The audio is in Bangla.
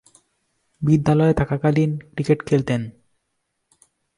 বিদ্যালয়ে থাকাকালীন ক্রিকেট খেলতেন।